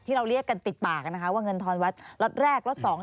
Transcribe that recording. เราเรียกกันติดปากนะคะว่าเงินทอนวัดล็อตแรกล็อต๒๐๐